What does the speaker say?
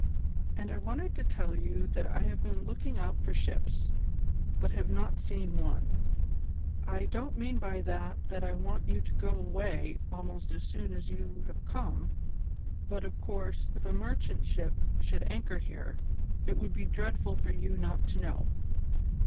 And I wanted to tell you that I have been looking out for ships, but have not seen one. I don't mean by that that I want you to go away almost as soon as you have come, but of course, if a merchant ship should anchor here, it would be dreadful for you not to know."